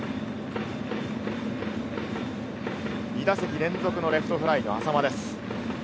２打席連続のレフトフライの淺間です。